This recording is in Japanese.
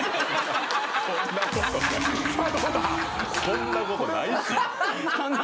そんなことないし！